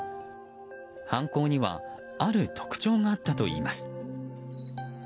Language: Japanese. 犯行にはある特徴があったといいます。